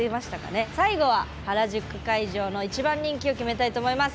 最後は原宿会場の一番人気を決めたいと思います。